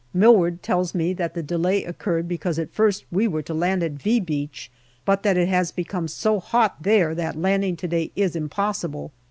Milward tells me that the delay occurred because at first we were to land at " V " Beach, but that it has become so hot there that landing to day is impossible.